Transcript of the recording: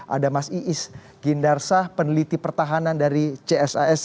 ada mas iis gindarsah peneliti pertahanan dari csis